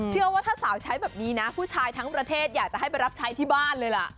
ว่าถ้าสาวใช้แบบนี้นะผู้ชายทั้งประเทศอยากจะให้ไปรับใช้ที่บ้านเลยล่ะ